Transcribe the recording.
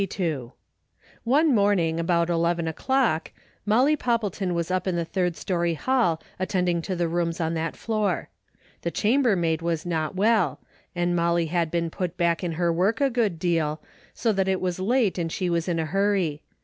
Oi^'E morning, about eleven o'clock, Molly Poppleton was up in the third story hall at tending to the rooms on that floor. The chambermaid was not well, and Molly had been put back in her work a good deal, so that it was late and she was in a hurry.